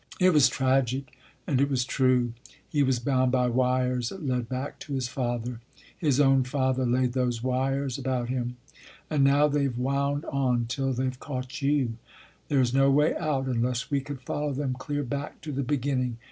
" It was tragic and it was true. He was bound by wires that led back to his father ; his own father laid those wires about him. And now they ve wound on till they ve caught you. There is no way out unless we could follow them clear back to the begin ning.